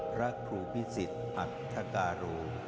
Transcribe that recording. พระครูพิสิษฐ์อัตธการู